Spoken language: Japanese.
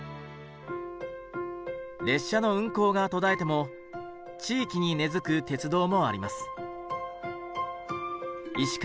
列車の運行が途絶えても地域に根づく鉄道もあります。